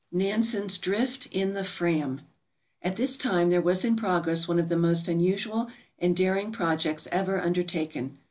Nansen's Drift in the "Fram" At this time there was in progress one of the most unusual and daring projects ever undertaken.